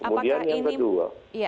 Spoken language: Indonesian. kemudian yang kedua